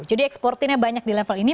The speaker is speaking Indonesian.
jadi eksportinnya banyak di level ini